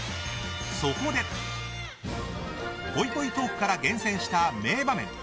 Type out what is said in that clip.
そこで、ぽいぽいトークから厳選した名場面